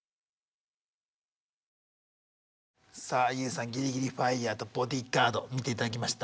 さあＹＯＵさん「ギリギリＦＩＲＥ」と「ボディーガード」見ていただきました。